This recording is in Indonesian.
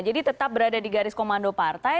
jadi tetap berada di garis komando partai